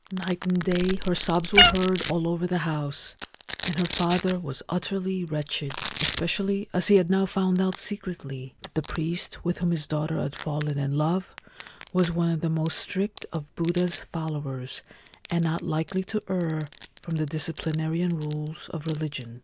Night and day her sobs were heard all over the house, and her father was utterly wretched, especially as he had now found out secretly that the priest with whom his daughter had fallen in love was one of the most strict of Buddha's followers, and not likely to err from the disciplinarian rules of religion.